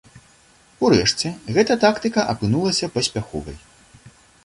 Урэшце, гэта тактыка апынулася паспяховай.